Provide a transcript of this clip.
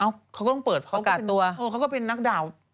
เอ้าเขาก็ต้องเปิดเขาก็เป็นนักดาวน์